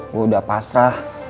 gue udah pasrah